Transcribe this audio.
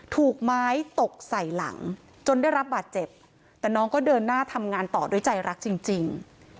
ถูกไม้ตกใส่หลังจนได้รับบาดเจ็บแต่น้องก็เดินหน้าทำงานต่อด้วยใจรักจริงจริง